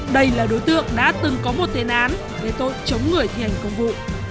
đây là đối tượng đã từng có một tên án về tội chống người thi hành công vụ